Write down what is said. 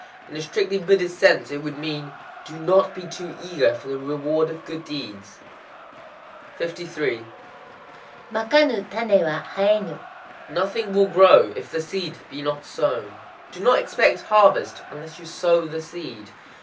In a strictly Buddhist sense it would mean, "Do not be too eager for the reward of good deeds." 53.—Makanu tané wa haënu. Nothing will grow, if the seed be not sown. Do not expect harvest, unless you sow the seed.